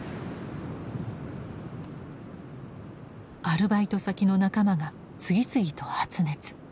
アルバイト先の仲間が次々と発熱。